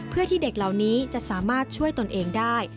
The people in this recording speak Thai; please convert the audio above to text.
เพื่อที่เด็กเหล่านี้จะสามารถช่วยตนเองได้